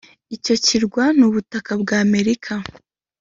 Icyo kirwa nubutaka bwa Amerika